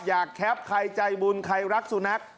แคปใครใจบุญใครรักสุนัข